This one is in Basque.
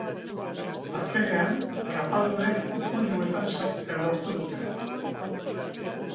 Azkenean, kapadunek ukuiluetan sartzea lortu dute.